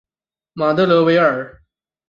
乌德勒维尔。